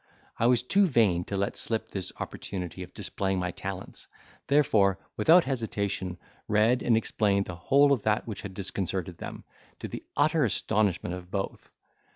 I was too vain to let slip this opportunity of displaying my talents; therefore, without hesitation, read and explained the whole of that which had disconcerted them, to the utter astonishment of both.